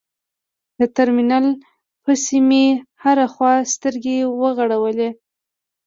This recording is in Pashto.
د ترمینل پسې مې هره خوا سترګې وغړولې.